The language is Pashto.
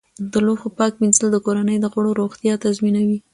د لوښو پاک مینځل د کورنۍ د غړو روغتیا تضمینوي.